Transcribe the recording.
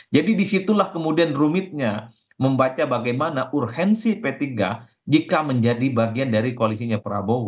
jadi disitulah kemudian rumitnya membaca bagaimana urgensi p tiga jika menjadi bagian dari koalisinya prabowo